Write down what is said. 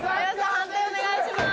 判定お願いします。